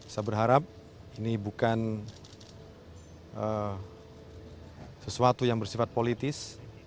saya berharap ini bukan sesuatu yang bersifat politis